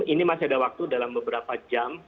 ini masih ada waktu dalam beberapa jam